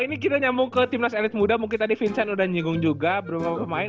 ya ini kita nyambung ke tim nasional muda mungkin tadi vincent udah nyegong juga berumah pemain